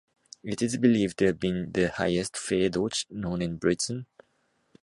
It is believed to have been the highest fare dodge known in Britain.